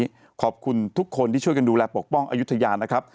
วันนี้ขอบคุณทุกคนที่ช่วยกันดูแลปกป้องอายุทยานะครับ